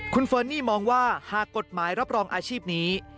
คุณเฟิร์นนี่มองว่าหากกฎหมายรับรองอาชีพนี้